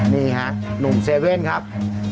นี่ฮะหนุ่มเซเว่นครับ